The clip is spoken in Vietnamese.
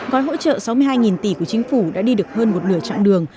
gói hỗ trợ sáu mươi hai tỷ của chính phủ đã đi được hơn một nửa chặng đường